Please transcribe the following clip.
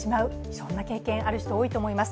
そんな経験ある人、多いと思います。